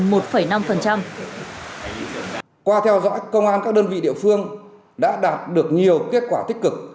qua theo dõi công an các đơn vị địa phương đã đạt được nhiều kết quả tích cực